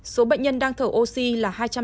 hai số bệnh nhân đang thở oxy là hai trăm linh sáu ca